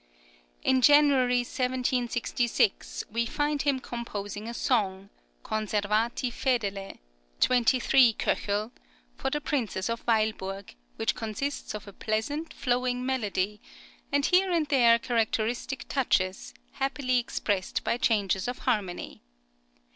In January, 1766, we find him composing a song, "Conservati fedele" (23 K.), for the Princess of Weilburg, which consists of a pleasant, flowing melody, and here and there characteristic touches, happily expressed by changes of harmony.